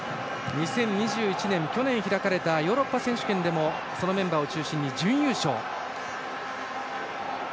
２０２１年、去年のヨーロッパ選手権でもそのメンバーを中心に準優勝。